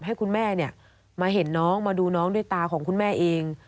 ให้คุณแม่มาเห็นน้องมาดูน้องด้วยตาของคุณแม่เอง